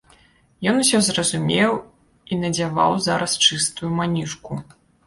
Ён усё зразумеў і надзяваў зараз чыстую манішку.